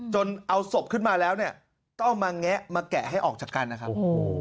จนเอาศพขึ้นมาแล้วเนี่ยต้องมาแงะมาแกะให้ออกจากกันนะครับโอ้โห